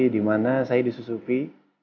di mana saya disusupi